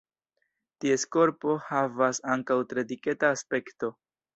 Ties korpo havas ankaŭ tre diketa aspekto.